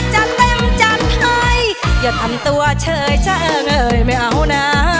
จะเต็มจัดให้อย่าทำตัวเชยช่าเอ่ยไม่เอาหน่า